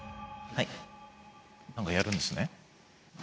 何かやるんですね。